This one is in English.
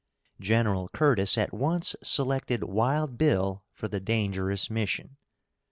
Gen. Curtis at once selected Wild Bill for the dangerous mission.